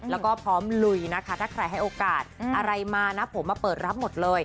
แล้วก็พร้อมลุยนะคะถ้าใครให้โอกาสอะไรมานะผมมาเปิดรับหมดเลย